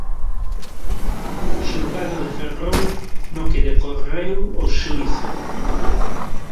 Xulgado de Ferrol no que decorreu o xuízo.